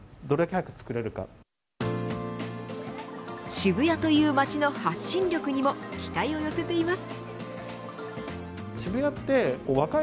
渋谷という街の発信力にも期待を寄せています。